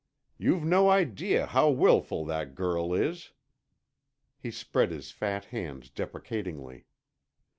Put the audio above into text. You've no idea how wilful that girl is." He spread his fat hands deprecatingly.